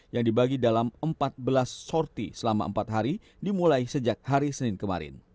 yang dibagi dalam empat belas sorti selama empat hari dimulai sejak hari senin kemarin